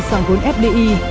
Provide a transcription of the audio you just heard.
dòng vốn fdi